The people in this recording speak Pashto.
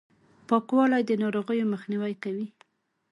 پاکوالي، د ناروغیو مخنیوی کوي!